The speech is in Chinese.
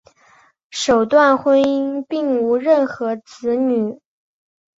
首段婚姻并无任何子女。